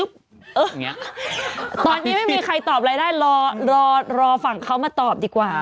ไม่มีใครตอบรายได้รอฝั่งเขามาตอบดีกว่า